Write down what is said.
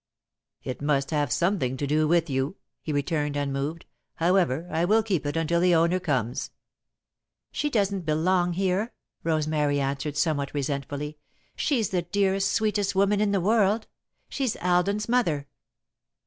"It must have something to do with you," he returned, unmoved. "However, I will keep it until the owner comes." "She doesn't belong here," Rosemary answered, somewhat resentfully. "She's the dearest, sweetest woman in the world. She's Alden's mother."